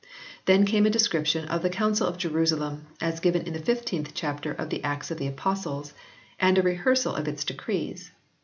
Then came a description of the Council of Jerusalem as given in the fifteenth chapter of the Acts of the Apostles and a rehearsal of its decrees.